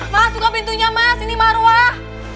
mas suka pintunya mas ini marwah